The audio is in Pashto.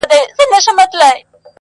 نه له ویري سوای له غاره راوتلای -